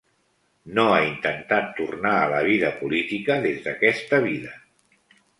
No ha intentat tornar a la vida política des d'aquesta vida.